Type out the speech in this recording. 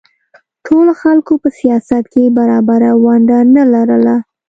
ټولو خلکو په سیاست کې برابره ونډه نه لرله.